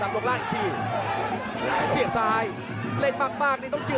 กำเต็มขอให้เสียงดุล่างความโถงดิน